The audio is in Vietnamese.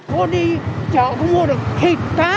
cô đi chợ cũng mua được thịt cá